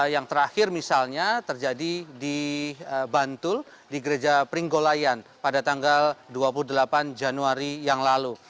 yang terakhir misalnya terjadi di bantul di gereja pringgolayan pada tanggal dua puluh delapan januari yang lalu